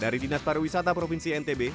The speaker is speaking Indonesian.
dari dinas pariwisata provinsi ntb